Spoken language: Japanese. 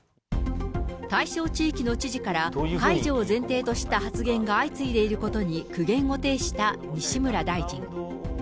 対象地域の知事から解除を前提とした発言が相次いでいることに苦言を呈した西村大臣。